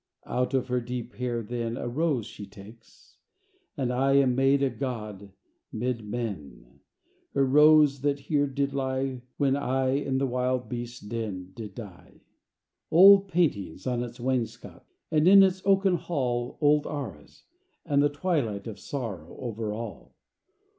Out of her deep hair then A rose she takes and I Am made a god 'mid men! Her rose, that here did lie When I, in th' wild beasts' den, Did die. IV Old paintings on its wainscots, And, in its oaken hall, Old arras; and the twilight Of sorrow over all.